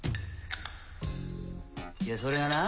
いやそれがな